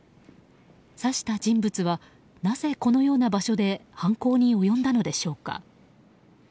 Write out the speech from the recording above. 刺した人物はなぜ、このような場所で犯行に及んだのでしょうか。